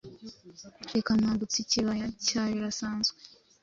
rikamwambutsa ikibaya cya birasanzwe